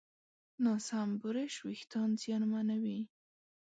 ناسم برش وېښتيان زیانمنوي.